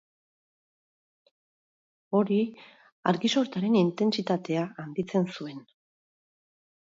Hori, argi sortaren intentsitatea handitzen zuen.